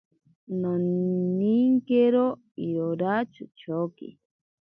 Noninkero irora chochoki.